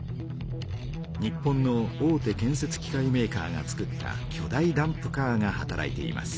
日本の大手建せつ機械メーカーがつくったきょ大ダンプカーが働いています。